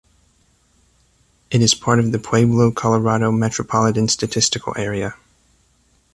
It is part of the Pueblo, Colorado Metropolitan Statistical Area.